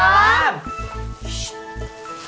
bentar aja aku ngebahasnya